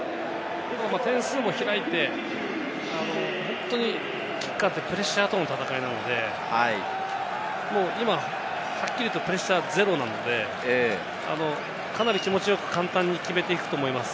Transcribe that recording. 点数も開いて、本当にキッカーってプレッシャーとの戦いになるんで、今はっきり言うとプレッシャーゼロなんで、かなり気持ちよく簡単に決めていくと思います。